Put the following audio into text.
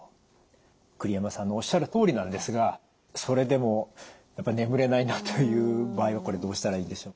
栗山さんのおっしゃるとおりなんですがそれでも眠れないなという場合はこれどうしたらいいでしょう？